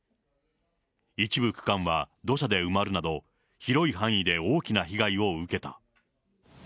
一部区間は土砂で埋まるなど、広い範囲で大きな被害を受けた。